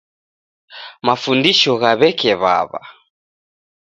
Mafundisho gha w'eke w'aw'a